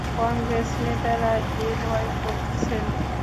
কংগ্রেস নেতারা এ ভয় করছেন।